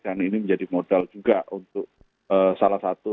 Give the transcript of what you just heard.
dan ini menjadi modal juga untuk salah satu